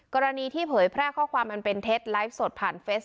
กรณีที่เผยแพร่ข้อความอันเป็นเท็จไลฟ์สดผ่านเฟซ